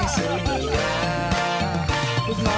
เตรียมตัวครับ